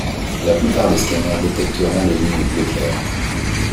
La plupart des scanners détecteront les lignes bleu clair.